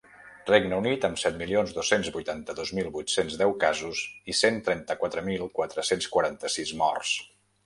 Regne Unit, amb set milions dos-cents vuitanta-dos mil vuit-cents deu casos i cent trenta-quatre mil quatre-cents quaranta-sis morts.